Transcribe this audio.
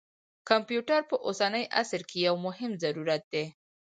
کمپیوټر په اوسني عصر کې یو مهم ضرورت دی.